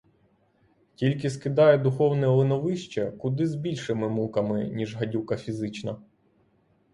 Тільки скидає духовне линовище куди з більшими муками, ніж гадюка фізична.